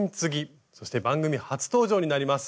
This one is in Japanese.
そして番組初登場になります